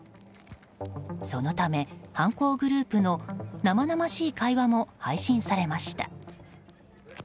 そのため、犯行グループの生々しい会話も配信されました。